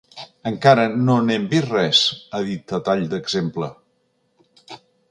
Encara no n’hem vist res, ha dit a tall d’exemple.